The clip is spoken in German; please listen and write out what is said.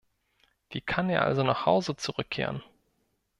Wie kann er also nach Hause zurückkehren?